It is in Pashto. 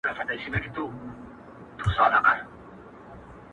موږ دوه د آبديت په آشاره کي سره ناست وو”